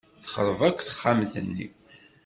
Texṛeb akk texxamt-nni.